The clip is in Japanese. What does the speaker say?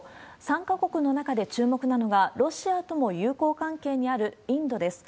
３か国の中で注目なのが、ロシアとも友好関係にあるインドです。